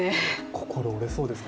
心、折れそうですね。